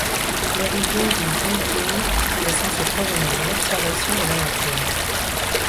L'origine du Yi Jing est censée provenir de l'observation de la nature.